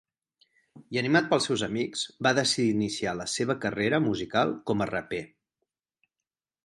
I animat pels seus amics va decidir iniciar la seva carrera musical com a raper.